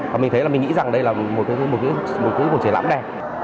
và mình thấy là mình nghĩ rằng đây là một cái cuộc triển lãm đẹp